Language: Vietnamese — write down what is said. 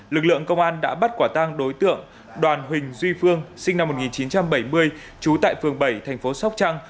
lực lượng công an đã bắt quả tang đối tượng đoàn huỳnh duy phương sinh năm một nghìn chín trăm bảy mươi trú tại phường bảy thành phố sóc trăng